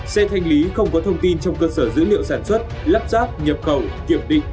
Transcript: xe thanh lý không có thông tin trong cơ sở dữ liệu sản xuất lắp ráp nhập khẩu kiểm định